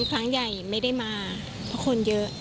ครั้งใหญ่ไม่ได้มาเพราะคนเยอะ